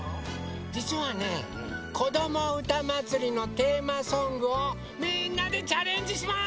じつはね「こどもうたまつり」のテーマソングをみんなでチャレンジします！